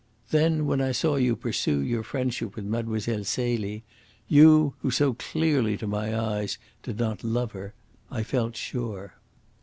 Then when I saw you pursue your friendship with Mlle. Celie you, who so clearly to my eyes did not love her I felt sure."